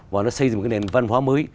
và nó xây dựng một cái nền văn hóa mới